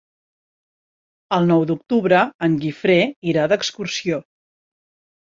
El nou d'octubre en Guifré irà d'excursió.